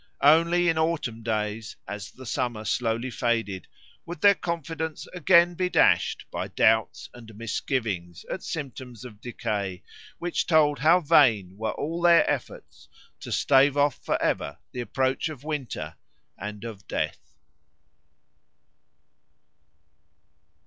Only in autumn days, as summer slowly faded, would their confidence again be dashed by doubts and misgivings at symptoms of decay, which told how vain were all their efforts to stave off for ever the approach of winter and of death.